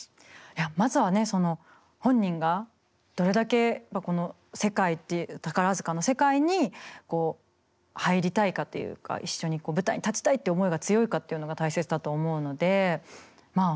いやまずはねその本人がどれだけこの世界宝塚の世界にこう入りたいかというか一緒に舞台に立ちたいって思いが強いかっていうのが大切だと思うのでまあ